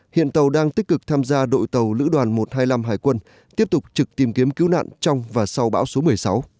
hiện tàu đang tích cực tham gia đội tàu lữ đoàn một trăm hai mươi năm hải quân tiếp tục trực tìm kiếm cứu nạn trong và sau bão số một mươi sáu